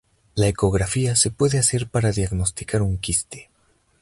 La ecografía se puede hacer para diagnosticar un quiste.